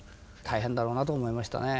大変だろうなと思いましたね。